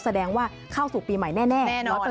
แสดงว่าเข้าสู่ปีใหม่แน่